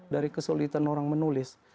dari kesulitan orang menulis